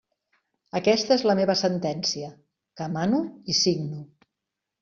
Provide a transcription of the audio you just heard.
Aquesta és la meva sentència, que mano i signo.